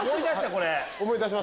これ。